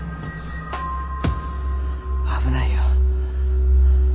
危ないよ。